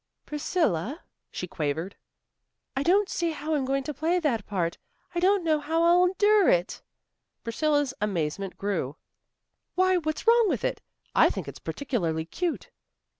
"Priscilla," she quavered, "I don't see how I'm going to play that part. I don't know how I'll endure it." Priscilla's amazement grew. "Why, what's wrong with it? I think it's particularly cute."